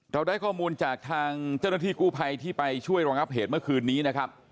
เราได้ข้อมูลจากทางเจ้าหน้าที่กู้ภัยที่ไปช่วยรองับเหตุเมื่อคืนนี้นะครับ